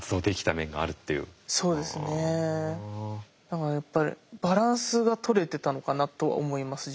だからやっぱりバランスがとれてたのかなと思います